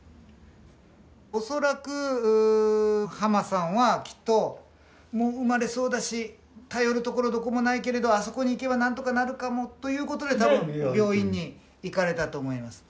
恐らくハマさんはきっともう生まれそうだし頼るところどこもないけれどあそこに行けば何とかなるかもということで多分病院に行かれたと思います。